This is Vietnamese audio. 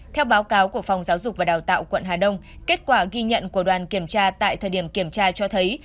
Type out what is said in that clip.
theo báo cáo của phòng giáo dục và đào tạo quận hà đông kết quả ghi nhận của đoàn kiểm tra tại thời điểm kiểm tra cho thấy